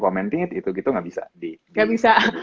commented itu gitu gak bisa